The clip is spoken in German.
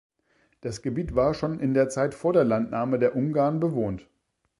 Das Gebiet war schon in der Zeit vor der Landnahme der Ungarn bewohnt.